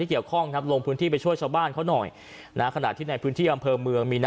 แต่ต้องระวังนะภูมิเยียวเขี้ยวขออาจจะมาก็ได้ตอนนี้ก็ลงพื้นที่